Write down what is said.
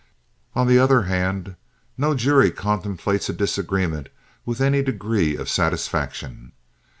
On the other hand, no jury contemplates a disagreement with any degree of satisfaction.